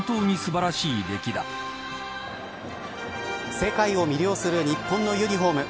世界を魅了する日本のユニホーム。